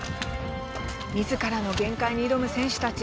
みずからの限界に挑む選手たち。